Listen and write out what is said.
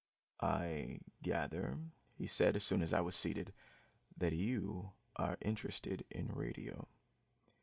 "I gather," he said as soon as I was seated, "that you are interested in radio."